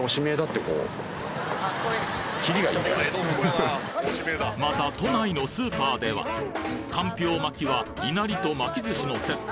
さらにまた都内のスーパーではかんぴょう巻きはいなりと巻き寿司のセット